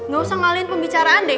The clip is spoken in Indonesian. gak usah ngalin pembicaraan deh